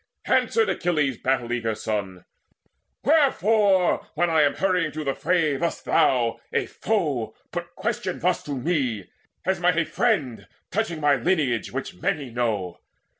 Answered Achilles' battle eager son: "Wherefore, when I am hurrying to the fray, Dost thou, a foe, put question thus to me, As might a friend, touching my lineage, Which many know?